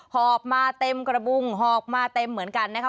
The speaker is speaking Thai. หอบมาเต็มกระบุงหอบมาเต็มเหมือนกันนะคะ